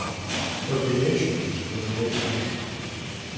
Her creations were her daily life.